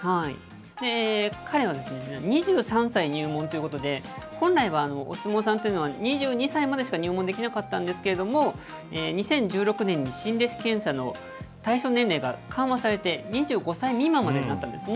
彼は２３歳入門ということで、本来は、お相撲さんっていうのは、２２歳までしか入門できなかったんですけれども、２０１６年に新弟子検査の対象年齢が緩和されて、２５歳未満までになったんですね。